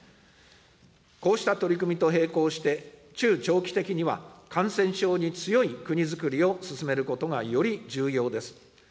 こうした取り組みと並行して、中長期的には、感染症に強い国づくりを進めることがより重要です。